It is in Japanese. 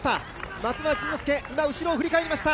松村陣之助、今、後ろを振り返りました。